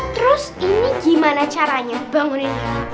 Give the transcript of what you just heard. terus ini gimana caranya dibangunin